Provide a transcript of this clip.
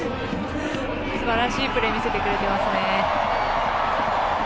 すばらしいプレーを見せてくれています。